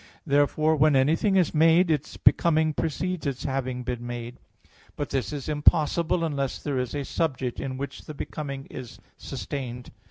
Therefore when anything is made, its becoming precedes its having been made. But this is impossible, unless there is a subject in which the becoming is sustained.